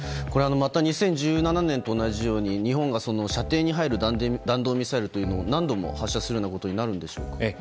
これは２０１７年と同じように日本が射程に入る弾道ミサイルというのを何度も発射するようなことになるんでしょうか。